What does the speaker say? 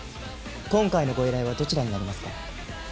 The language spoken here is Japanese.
今回のご依頼はどちらになりますか？